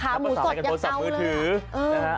ขาหมูกดยังเจาะเลยอ่ะ